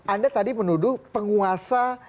anda tadi menuduh penguasa